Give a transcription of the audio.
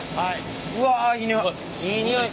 うわいい匂い。